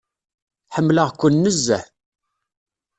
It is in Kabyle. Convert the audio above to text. Ḥemmleɣ-ken nezzeh.